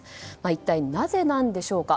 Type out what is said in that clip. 一体なぜなんでしょうか。